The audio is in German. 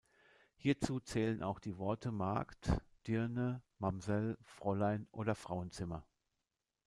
Hierzu zählen auch die Worte Magd, Dirne, Mamsell, Fräulein oder Frauenzimmer.